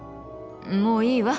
もういいわ。